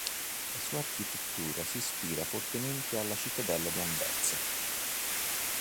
La sua architettura si ispira fortemente alla cittadella di Anversa.